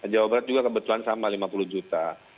jawa barat juga kebetulan sama lima puluh juta